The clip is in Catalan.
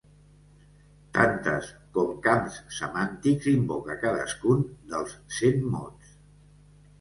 Tantes com camps semàntics invoca cadascun dels cent mots.